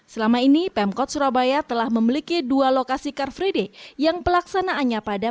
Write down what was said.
selama ini pemkot surabaya telah memiliki dua lokasi car free day yang pelaksanaannya pada